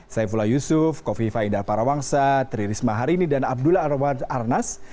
saifullah yusuf kofi fahidah parawangsa tririsma harini dan abdullah arnas